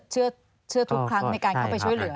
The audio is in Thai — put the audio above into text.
เชื่อทุกครั้งในการเข้าไปช่วยเหลือ